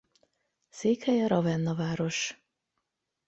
Székhelye Ravenna város.